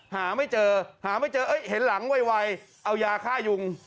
ไหนหาไม่เจอเห็นหลังไวเอายาฆ่ายุง